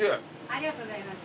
ありがとうございます。